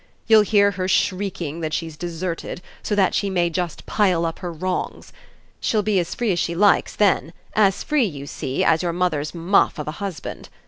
You'll hear her shrieking that she's deserted, so that she may just pile up her wrongs. She'll be as free as she likes then as free, you see, as your mother's muff of a husband.